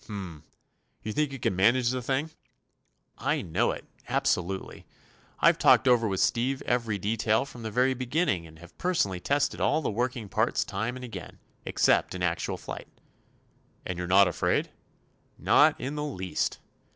"H m. You think you can manage the thing?" "I know it—absolutely. I've talked over with Steve every detail from the very beginning, and have personally tested all the working parts time and again, except in actual flight." "And you're not afraid?" "Not in the least."